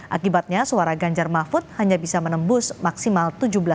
akibatnya suara ganjar mahfud hanya bisa menembus maksimal tujuh belas